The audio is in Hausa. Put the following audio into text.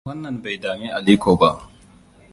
Wannan bai dami Aliko ba.